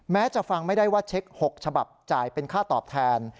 จะฟังไม่ได้ว่าเช็ค๖ฉบับจ่ายเป็นค่าตอบแทน